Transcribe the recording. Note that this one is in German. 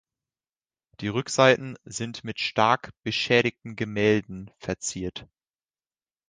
Die Rückseiten sind mit stark beschädigten Gemälden verziert.